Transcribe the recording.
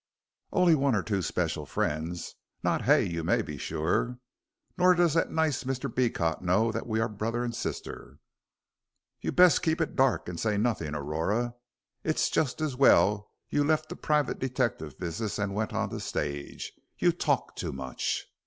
"Only one or two special friends not Hay, you may be sure. Nor does that nice Mr. Beecot know that we are brother and sister." "You'd best keep it dark, and say nothing, Aurora. It's just as well you left the private detective business and went on the stage. You talk too much."